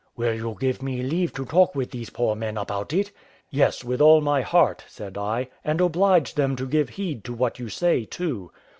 "Will you give me leave to talk with these poor men about it?" "Yes, with all my heart," said I: "and oblige them to give heed to what you say too."